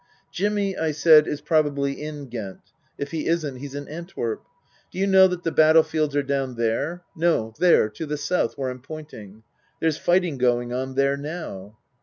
" Jimmy," I said, " is probably in Ghent. If he isn't, he's in Antwerp. Do you know that the battlefields are down there no there to the south, where I'm point ing ? There's fighting going on there now."